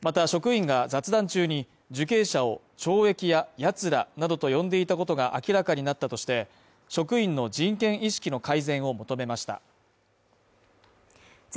また職員が雑談中に、受刑者を懲役や、やつらなどと呼んでいたことが明らかになったとして職員の人権意識の改善を求めました。